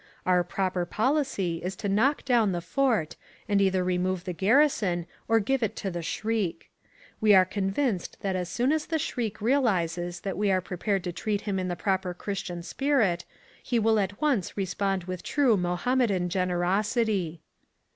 Our proper policy is to knock down the fort, and either remove the garrison or give it to the Shriek. We are convinced that as soon as the Shriek realises that we are prepared to treat him in the proper Christian spirit, he will at once respond with true Mohammedan generosity.